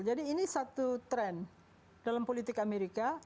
jadi ini satu tren dalam politik amerika